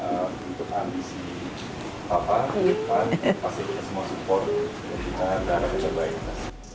kita harap bisa baik